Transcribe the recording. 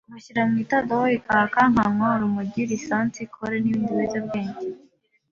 bashyira mu itadowa ikaka, nkanywa urumogi, lisansi, kole n’ibindi biyobyabwenge.